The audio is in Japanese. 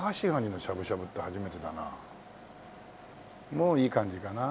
もういい感じかな？